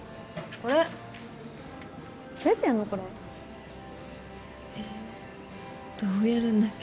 これえどうやるんだっけ？